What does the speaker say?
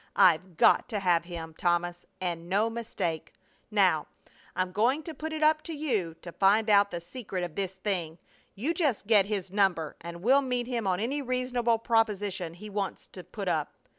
I've got to have him, Thomas, and no mistake! Now, I'm going to put it up to you to find out the secret of this thing. You just get his number and we'll meet him on any reasonable proposition he wants to put up.